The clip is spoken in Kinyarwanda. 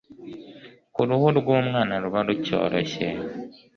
ku ruhu rw'umwana ruba rucyoroshye.